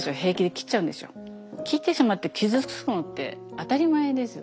切ってしまって傷つくのって当たり前ですよね。